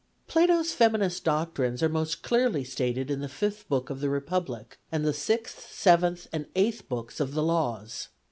Plato's feminist doctrines are most clearly stated in the fifth book of the Republic and the sixth, seventh, and eighth books of the Laws.